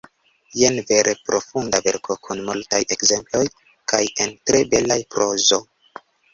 Jen vere profunda verko kun multaj ekzemploj kaj en tre bela prozo.